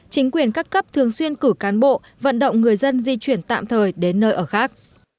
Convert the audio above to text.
chính quyền các cấp thường xuyên cử cán bộ vận động người dân di chuyển tạm thời đến nơi ở khác